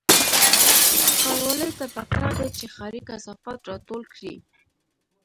ښاروالۍ ته پکار ده چې ښاري کثافات راټول کړي